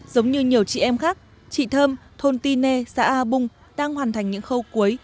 giống như nhiều chị em khác chị thơm thôn ti nê xã a bung đang hoàn thành những khâu cuối